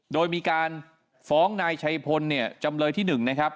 โดยมีการฟ้องนายชัยพลเนี่ยจำเลยที่๑นะครับ